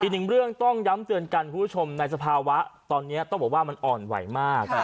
อีกหนึ่งเรื่องต้องย้ำเตือนกันคุณผู้ชมในสภาวะตอนนี้ต้องบอกว่ามันอ่อนไหวมาก